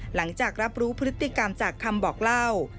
หลังจากรับรู้พฤติกรรมจากคำบอกเล่า